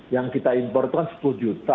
yang kita impor itu kan sepuluh juta